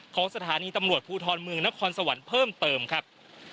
ของสถานีตำรวจภูทรเมืองนครสวรรค์เพิ่มเติมครับ